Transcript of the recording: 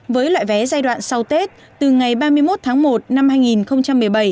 với loại vé giai đoạn sau tết từ ngày ba mươi một tháng một năm hai nghìn một mươi bảy